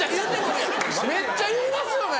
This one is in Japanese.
めっちゃ言いますよね！